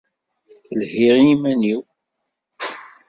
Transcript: Lḥiɣ iman-iw.